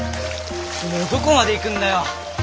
どこまで行くんだよ？